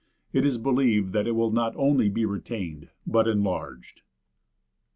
It is believed that it will not only be retained but enlarged.